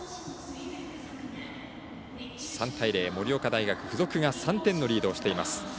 ３対０、盛岡大付属が３点のリードをしています。